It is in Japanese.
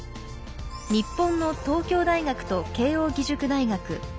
日本の東京大学と慶應義塾大学。